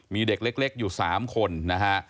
มีเด็กเล็กอยู่๓คนนะฮะ